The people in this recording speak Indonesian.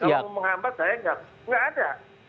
kalau mau menghambat saya nggak ada